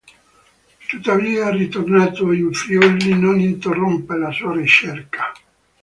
Tuttavia, ritornato in Friuli, non interrompe la sua ricerca.